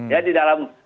ya di dalam